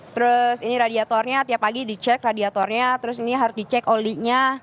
terus ini radiatornya tiap pagi dicek radiatornya terus ini harus dicek olinya